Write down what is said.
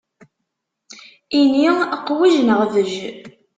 Ini : qwej neɣ bej!